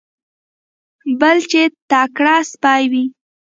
بل چې تکړه سپی وي.